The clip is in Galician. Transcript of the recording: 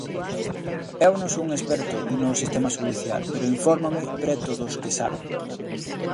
Eu non son experto no sistema xudicial pero infórmome preto dos que saben.